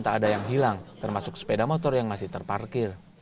tak ada yang hilang termasuk sepeda motor yang masih terparkir